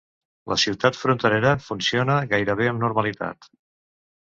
La ciutat fronterera funciona gairebé amb normalitat.